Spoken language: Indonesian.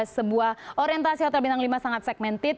sebuah orientasi hotel bintang lima sangat segmented